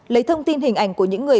lấy thông tin hình ảnh của những người